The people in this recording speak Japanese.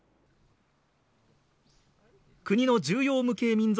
国の重要無形民俗